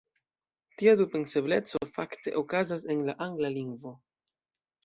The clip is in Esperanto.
Tia "du-pensebleco" fakte okazas en la angla lingvo.